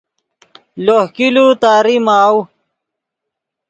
لوہ کِلو تاری ماؤ